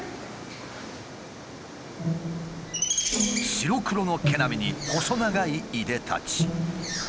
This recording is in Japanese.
白黒の毛並みに細長いいでたち。